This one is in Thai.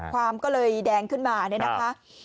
ความก็เลยแดงขึ้นมาเนี่ยนะคะ